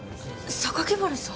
榊原さん！